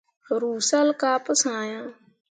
Ruu salle kah pu sã ah.